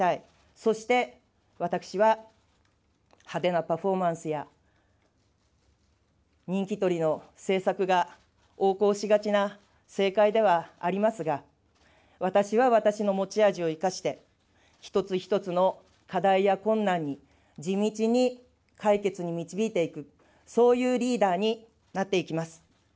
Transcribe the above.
そして、私は派手なパフォーマンスや、人気取りの政策が横行しがちな政界ではありますが、私は私の持ち味を生かして、一つ一つの課題や困難に地道に解決に導いていく、そういうリーダーになっていきます。